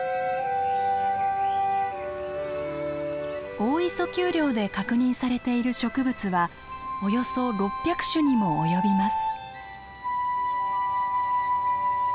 大磯丘陵で確認されている植物はおよそ６００種にも及びます。